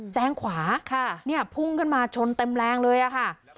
แซงขวาเนี่ยพุ่งขึ้นมาชนเต็มแรงเลยค่ะ